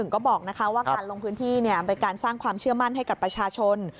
ก็บอกว่าการลงพื้นที่เป็นการสร้างความเชื่อมั่นให้กับประชาชน